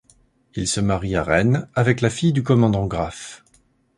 Il se marie à Rennes avec la fille du commandant Graf.